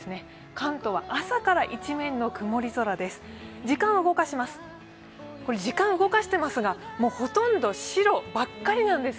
関東は朝から一面の曇り空です。